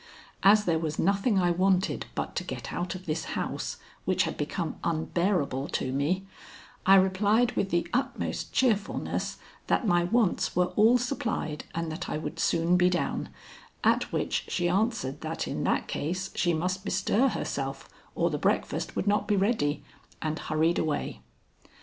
As there was nothing I wanted but to get out of this house, which had become unbearable to me, I replied with the utmost cheerfulness that my wants were all supplied and that I would soon be down, at which she answered that in that case she must bestir herself or the breakfast would not be ready, and hurried away.